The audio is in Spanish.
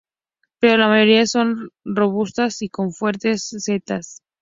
Pero la mayoría son robustas y con fuertes setas.